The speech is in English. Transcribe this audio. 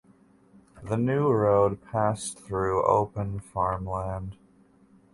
The new road passed through open farmland.